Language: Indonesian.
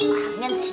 kangen banget sih